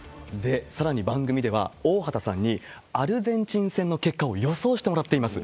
さらに番組では、大畑さんにアルゼンチン戦の結果を予想してもらっています。